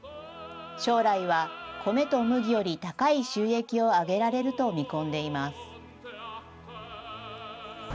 将来は、米と麦より高い収益を上げられると見込んでいます。